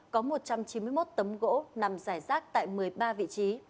có một trăm chín mươi một tấm gỗ nằm giải rác tại một mươi ba vị trí